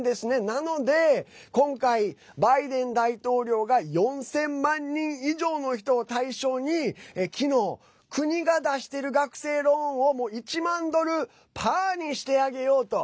なので今回、バイデン大統領が４０００万人以上の人を対象に昨日、国が出してる学生ローンを１万ドル、パーにしてあげようと。